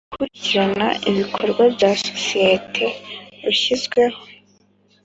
gukurikirana ibikorwa by isosiyete Ushyizweho